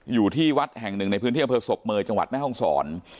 อยู่ที่วัดแห่งหนึ่งในพื้นที่อำเภอศพเมย์จังหวัดแม่ห้องศร